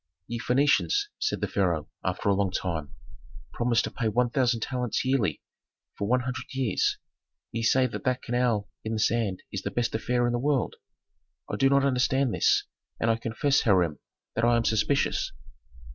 "Ye Phœnicians," said the pharaoh, after a long time, "promise to pay one thousand talents yearly for one hundred years. Ye say that that canal dug in the sand is the best affair in the world. I do not understand this, and I confess, Hiram, that I am suspicious."